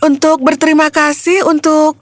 untuk berterima kasih untuk